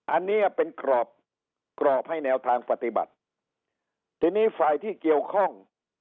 อันนี้เป็นกรอบกรอบให้แนวทางปฏิบัติทีนี้ฝ่ายที่เกี่ยวข้อง